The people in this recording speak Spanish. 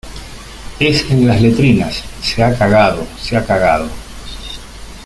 es en las letrinas. se ha cagado .¡ se ha cagado!